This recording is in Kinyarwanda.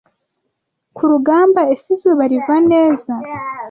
kurugamba Ese izuba riva neza